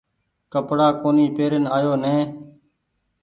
ڪپڙآ ڪونيٚ پيرين آيو نئي ۔